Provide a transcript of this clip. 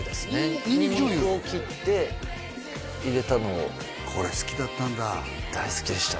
にんにくを切って入れたのをこれ好きだったんだ大好きでした